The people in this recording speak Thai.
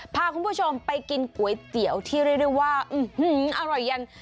พาคุณผู้ชมไปกินก๋วยเตี๋ยวที่เรียกได้ว่าอร่อยยัน